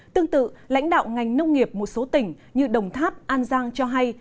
tương tự lãnh đạo ngành nông nghiệp một số tỉnh như đồng tháp an giang cho hay